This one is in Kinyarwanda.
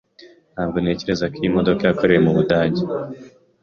Ntabwo ntekereza ko iyi modoka yakorewe mu Budage.